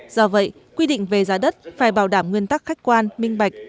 do vậy quy định về giá đất phải bảo đảm nguyên tắc khách quan minh bạch